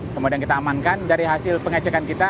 kemudian kita amankan dari hasil pengecekan kita